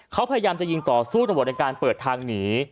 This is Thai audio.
เขาพยายามจะยิงต่อสู้ตำรวจในการเปิดทางหนี